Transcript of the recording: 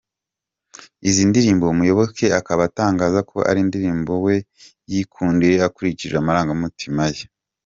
Izi nidirmbo Muyoboke akaba atangaza ko ari indirimbo we yikundiye akurikije amarangamutima ye.